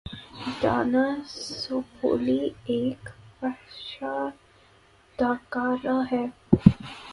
دانا وسپولی ایک فحش اداکارہ ہے